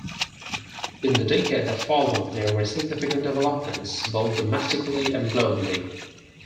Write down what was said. In the decade that followed, there were significant developments both domestically and globally.